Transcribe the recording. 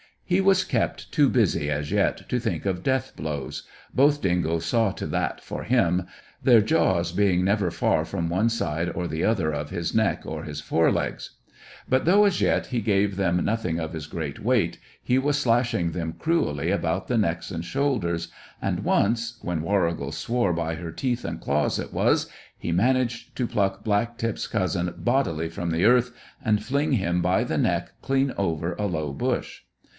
He was kept too busy as yet to think of death blows; both dingoes saw to that for him, their jaws being never far from one side or the other of his neck or his fore legs. But though, as yet, he gave them nothing of his great weight, he was slashing them cruelly about the necks and shoulders, and once when Warrigal swore by her teeth and claws it was he managed to pluck Black tip's cousin bodily from the earth and fling him by the neck clean over a low bush.